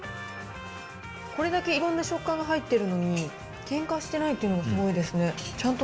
これだけいろんな食感が入ってるのに、けんかしてないっていうのもすごいですね。